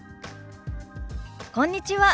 こんにちは。